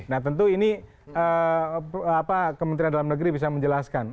nah tentu ini kementerian dalam negeri bisa menjelaskan